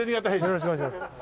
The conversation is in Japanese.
よろしくお願いします。